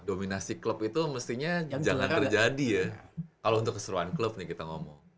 dominasi klub itu mestinya jangan terjadi ya kalau untuk keseruan klub nih kita ngomong